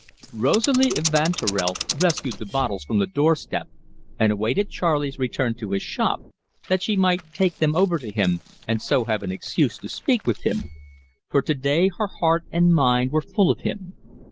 Rosalie Evanturel rescued the bottles from the doorstep and awaited Charley's return to his shop, that she might take them over to him, and so have an excuse to speak with him; for to day her heart and mind were full of him.